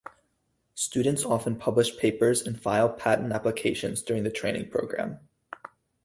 Students often publish papers and file patent applications during the training program.